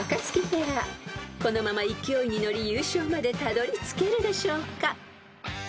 ［このまま勢いに乗り優勝までたどりつけるでしょうか？］